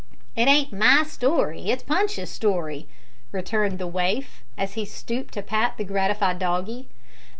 "It ain't my story, it's Punch's story," returned the waif, as he stooped to pat the gratified doggie.